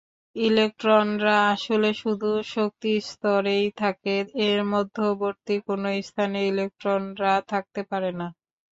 ইলেকট্রনরা আসলে শুধু শক্তিস্তরেই থাকে, এর মধ্যবর্তী কোনো স্থানে ইলেকট্রনরা থাকতে পারে না।